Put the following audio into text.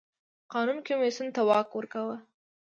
قانون کمېسیون ته واک ورکاوه.